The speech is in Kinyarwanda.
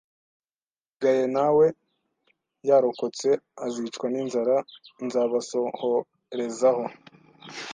asigaye na we yarokotse azicwa n inzara nzabasohorezaho